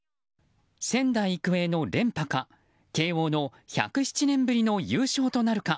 仙台育英の連覇か慶應の１０７年ぶりの優勝となるか。